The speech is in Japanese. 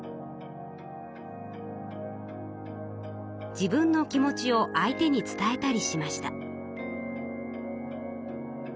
自分の気持ちを相手に伝えたりしました。